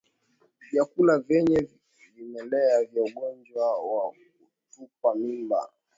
Vyakula vyenye vimelea vya ugonjwa wa kutupa mimba